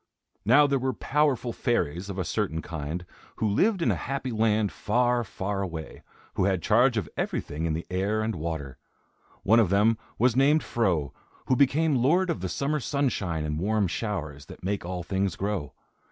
Now there were powerful fairies, of a certain kind, who lived in a Happy Land far, far away, who had charge of everything in the air and water. One of them was named Fro, who became lord of the summer sunshine and warm showers, that make all things grow.